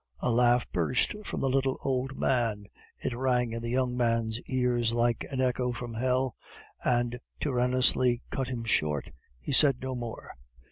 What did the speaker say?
A laugh burst from the little old man. It rang in the young man's ears like an echo from hell; and tyrannously cut him short. He said no more.